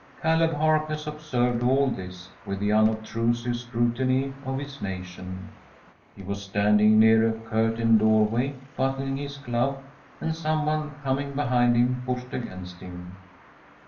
Caleb Harkness observed all this with the unobtrusive scrutiny of his nation. He was standing near a curtained doorway buttoning his glove, and some one coming behind him pushed against him.